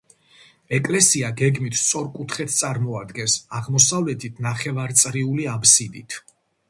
ეკლესია გეგმით სწორკუთხედს წარმოადგენს, აღმოსავლეთით ნახევარწრიული აბსიდით.